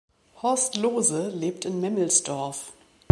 Horst Lohse lebt in Memmelsdorf.